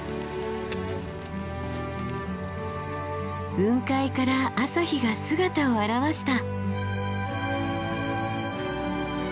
雲海から朝日が姿を現した。